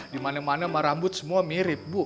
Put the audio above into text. di mana mana sama rambut semua mirip bu